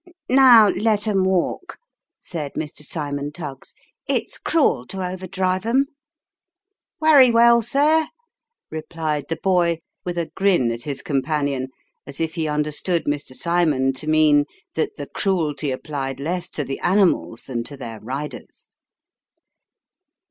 " Now let 'em walk," said Mr. Cymon Tuggs. " It's cruel to over drive 'em." " Werry well, sir," replied the boy, with a grin at his companion, as if he understood Mr. Cymon to mean that the cruelty applied less to the animals than to their riders.